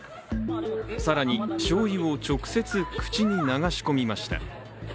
更に、しょうゆを直接口に流し込みました。